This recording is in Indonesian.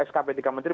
skp tiga menteri